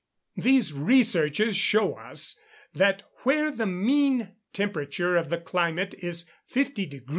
These researches show us, that where the mean temperature of the climate is 50 deg.